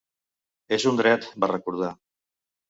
“És un dret”, va recordar.